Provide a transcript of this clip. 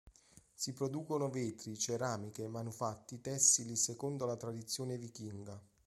Si producono vetri, ceramiche, manufatti tessili secondo la tradizione vichinga.